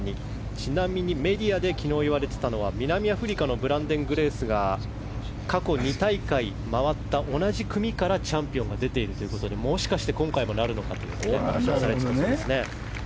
ちなみにメディアで昨日、言われていたのは南アフリカのブランデン・グレースが過去２大会回った同じ組からチャンピオンが出ているということでもしかして今回もあるのかという話がされていましたね。